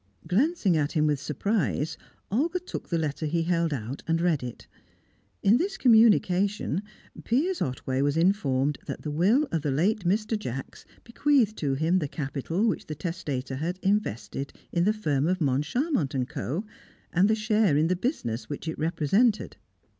Glancing at him with surprise, Olga took the letter he held out, and read it. In this communication, Piers Otway was informed that the will of the late Mr. Jacks bequeathed to him the capital which the testator had invested in the firm of Moncharmont & Co., and the share in the business which it represented.